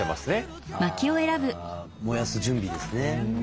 あ燃やす準備ですね。